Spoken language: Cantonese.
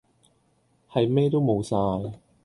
係咩都無晒